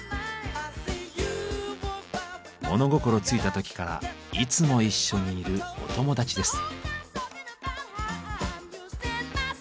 物心ついた時からいつも一緒にいるお友達です。